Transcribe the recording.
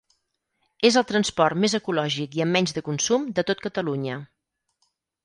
És el transport més ecològic i amb menys de consum de tot Catalunya.